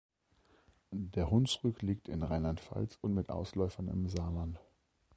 Der Hunsrück liegt in Rheinland-Pfalz und mit Ausläufern im Saarland.